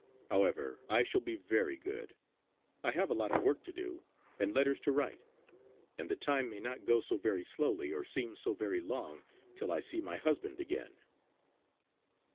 However, I shall be very good. I have a lot of work to do, and letters to write; and the time may not go so very slowly, or seem so very long, till I see my husband again."